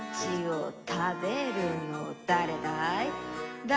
だれだい？」